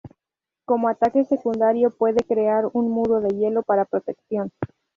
Como ataque secundario, puede crear un muro de hielo para protección.